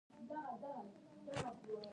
هغوی خبرې کوي، بل یې چوپ وي.